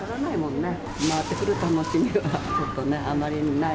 回ってくる楽しみとか、ちょっとね、あまりない。